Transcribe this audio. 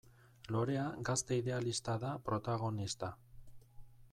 Lorea gazte idealista da protagonista.